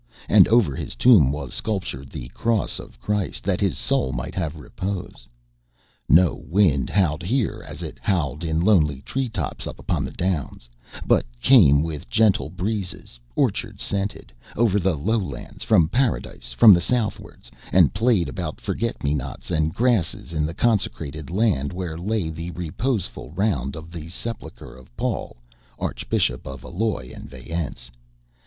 And over his tomb was sculptured the Cross of Christ, that his soul might have repose. No wind howled here as it howled in lonely tree tops up upon the downs, but came with gentle breezes, orchard scented, over the low lands from Paradise from the southwards, and played about forget me nots and grasses in the consecrated land where lay the Reposeful round the sepulchre of Paul, Archbishop of Alois and Vayence.